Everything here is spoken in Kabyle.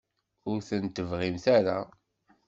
Ur ten-tebɣimt ara?